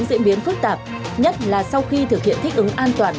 diễn biến phức tạp nhất là sau khi thực hiện thích ứng an toàn